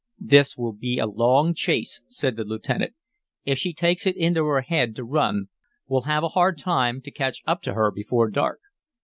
"This will be a long chase," said the lieutenant. "If she takes it into her head to run we'll have a hard time to catch up to her before dark."